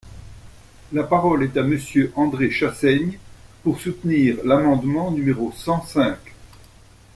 La parole est à Monsieur André Chassaigne, pour soutenir l’amendement numéro cent cinq.